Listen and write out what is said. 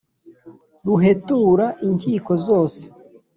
ruhetura inkiko zose,